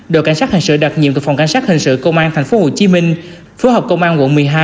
đội cảnh sát hành sự đặc nhiệm của phòng cảnh sát hành sự công an tp hcm phố học công an quận một mươi hai